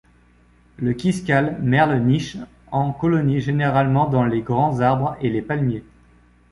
Le Quiscale merle niche en colonie généralement dans les grands arbres et les palmiers.